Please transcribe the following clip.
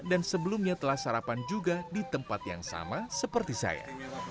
dan sebelumnya telah sarapan juga di tempat yang sama seperti saya